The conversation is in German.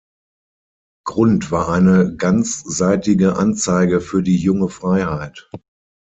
Grund war eine ganzseitige Anzeige für die „Junge Freiheit“.